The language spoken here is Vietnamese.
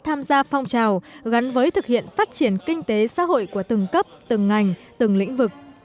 tham gia phong trào gắn với thực hiện phát triển kinh tế xã hội của từng cấp từng ngành từng lĩnh vực